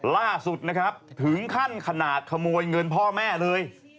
ล่าสุดนะครับถึงขั้นขนาดขโมยเงินพ่อแม่เลย